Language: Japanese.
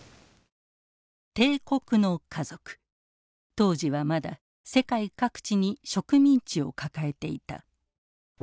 当時はまだ世界各地に植民地を抱えていた。